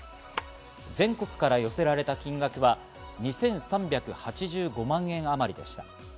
全国から寄せられた金額は２３８５万円あまりでした。